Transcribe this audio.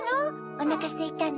おなかすいたの？